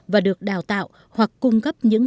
và được đào tạo hoặc cung cấp những